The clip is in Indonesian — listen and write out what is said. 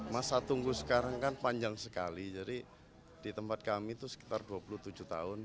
masa tunggu sekarang kan panjang sekali jadi di tempat kami itu sekitar dua puluh tujuh tahun